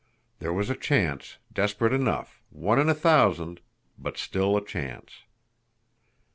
There was a chance, desperate enough, one in a thousand but still a chance!